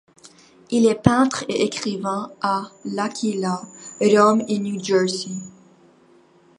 Il est peintre et écrivain à L'Aquila, Rome et New Jersey.